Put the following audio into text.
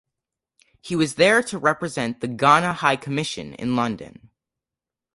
He was there to represent the Ghana High Commission in London.